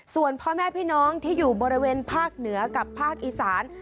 ส่วนพ่อแม่พี่น้องที่อยู่บริเวณภาคเหนือกับภาคอีสาน